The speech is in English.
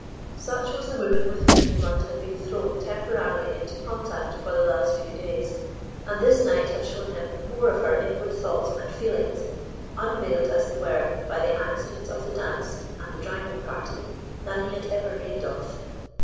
Such was the woman with whom Blount had been thrown temporarily into contact for the last few days, and this night had shown him more of her inward thoughts and feelings, unveiled as they were by the accidents of the dance and the driving party, than he had ever dreamed of.